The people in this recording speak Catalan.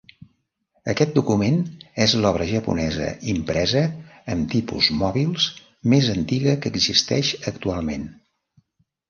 Aquest document és l’obra japonesa impresa amb tipus mòbils més antiga que existeix actualment.